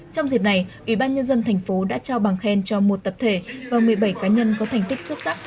trong dịp này ủy ban nhân dân thành phố đã trao bằng khen cho một tập thể và một mươi bảy cá nhân có thành tích xuất sắc